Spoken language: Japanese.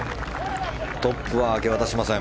トップは明け渡しません。